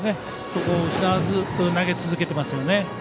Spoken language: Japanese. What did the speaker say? そこを失わずに投げ続けています。